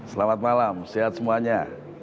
selamat malam sehat semuanya